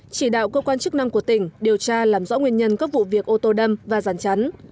chỉ đạo cơ quan chức năng của tỉnh điều tra làm rõ nguyên nhân các vụ việc ô tô đâm và ràn chắn